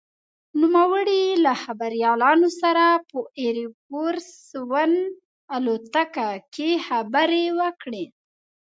نوموړي له خبریالانو سره په «اېر فورس ون» الوتکه کې خبرې وکړې.